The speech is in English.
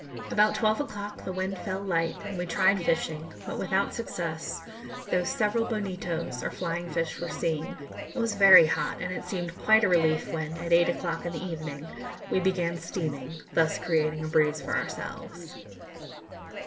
About twelve o'clock the wind fell light and we tried fishing, but without success, though several bonitos or flying fish were seen. It was very hot, and it seemed quite a relief when, at eight o'clock in the evening, we began steaming, thus creating a breeze for ourselves.